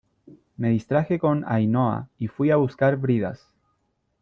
me distraje con Ainhoa y fui a buscar bridas